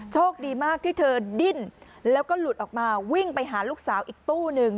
โชคดีมากที่เธอดิ้นแล้วก็หลุดออกมาวิ่งไปหาลูกสาวอีกตู้นึง